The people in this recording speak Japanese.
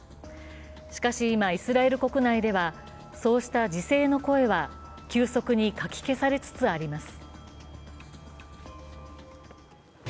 しかし今、イスラエル国内ではそうした自制の声は急速にかき消されつつあります。